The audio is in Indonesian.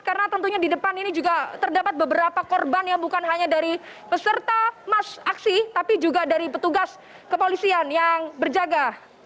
karena tentunya di depan ini juga terdapat beberapa korban yang bukan hanya dari peserta mas aksi tapi juga dari petugas kepolisian yang berjaga